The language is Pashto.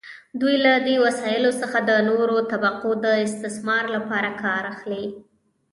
دوی له دې وسایلو څخه د نورو طبقو د استثمار لپاره کار اخلي.